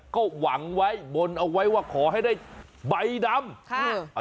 ก็หวังไว้บนเอาไว้ว่าขอให้ได้ใบดำค่ะ